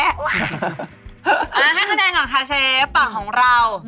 ให้คะแนนก่อนค่ะเชฟฝั่งของเรา